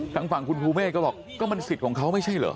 ทางฝั่งคุณภูเมฆก็บอกก็มันสิทธิ์ของเขาไม่ใช่เหรอ